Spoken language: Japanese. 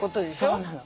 そうなの。